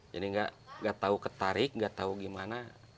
jadi nggak tau ketarik nggak tau gimana